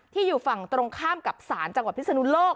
อยู่ฝั่งตรงข้ามกับศาลจังหวัดพิศนุโลก